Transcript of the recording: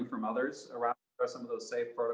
ada protokol aman untuk menciptakan hotel